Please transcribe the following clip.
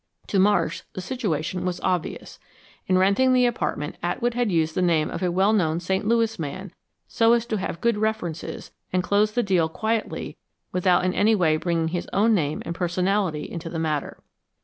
To Marsh, the situation was obvious. In renting the apartment Atwood had used the name of a well known St. Louis man so as to have good references and close the deal quietly without in any way bringing his own name and personality into the matter.